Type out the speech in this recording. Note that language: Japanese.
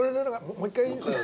もう一回いいですか？